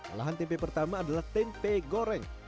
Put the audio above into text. olahan tempe pertama adalah tempe goreng